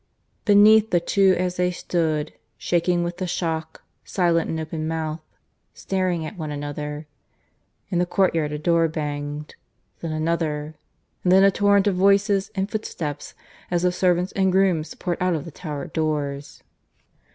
Beneath the two as they stood, shaking with the shock, silent and open mouthed, staring at one another, in the courtyard a door banged; then another; and then a torrent of voices and footsteps as the servants and grooms poured out of the lower doors.